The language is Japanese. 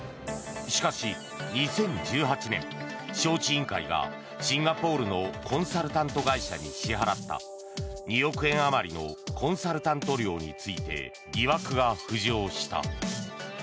しかし、２０１８年招致委員会がシンガポールのコンサルタント会社に支払った２億円余りのコンサルタント料について疑惑が浮上した。